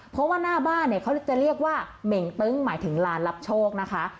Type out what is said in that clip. เพราะว่าหน้าบ้านเนี่ยเขาจะเรียกว่าเหม่งตึ้งหมายถึงลานรับโชคนะคะ